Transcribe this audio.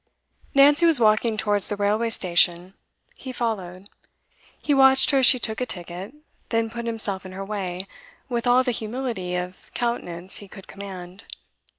Nancy was walking towards the railway station; he followed. He watched her as she took a ticket, then put himself in her way, with all the humility of countenance he could command.